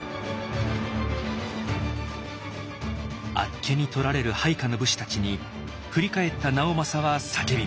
あっけにとられる配下の武士たちに振り返った直政は叫びます。